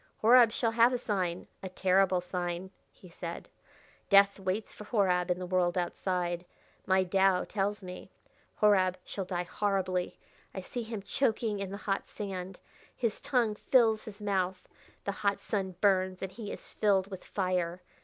"Horab shall have a sign a terrible sign," he said. "Death waits for Horab in the world outside, my Tao tells me. Horab shall die horribly. I see him choking in the hot sand. His tongue fills his mouth. The hot sun burns, and he is filled with fire.